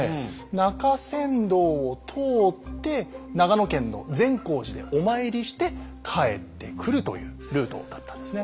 中山道を通って長野県の善光寺でお参りして帰ってくるというルートだったんですね。